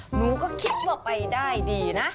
หนูก็คิดว่าไปได้ดีนะ